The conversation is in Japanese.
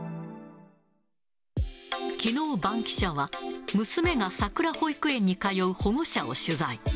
きのうバンキシャは、娘がさくら保育園に通う保護者を取材。